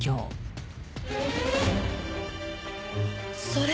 それ！